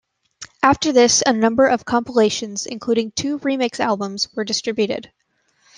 After this, a number of compilations, including two remix albums, were distributed.